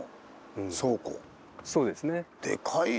そうですね。